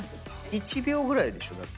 １秒ぐらいでしょ？だって。